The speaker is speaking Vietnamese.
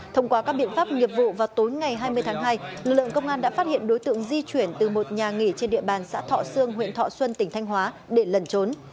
thông qua các biện pháp nghiệp vụ vào tối ngày hai mươi tháng hai lực lượng công an đã phát hiện đối tượng di chuyển từ một nhà nghỉ trên địa bàn xã thọ sương huyện thọ xuân tỉnh thanh hóa để lẩn trốn